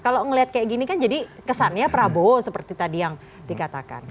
kalau ngelihat kayak gini kan jadi kesannya prabowo seperti tadi yang dikatakan